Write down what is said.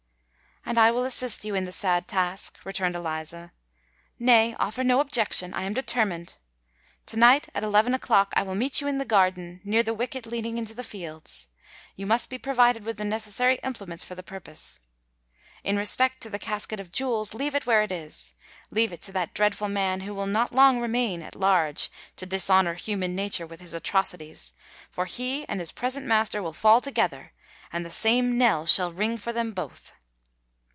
"And I will assist you in the sad task," returned Eliza. "Nay—offer no objection: I am determined. To night, at eleven o'clock, I will meet you in the garden near the wicket leading into the fields. You must be provided with the necessary implements for the purpose. In respect to the casket of jewels, leave it where it is—leave it to that dreadful man who will not long remain at large to dishonour human nature with his atrocities; for he and his present master will fall together—and the same knell shall ring for them both!"